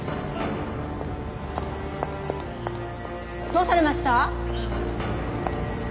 どうされました？